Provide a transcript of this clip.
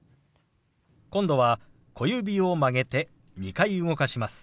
今度は小指を曲げて２回動かします。